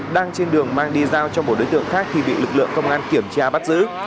đang trên đường mang đi giao cho một đối tượng khác thì bị lực lượng công an kiểm tra bắt giữ